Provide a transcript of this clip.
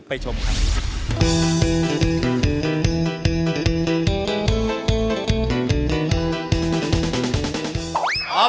ไปชมครับ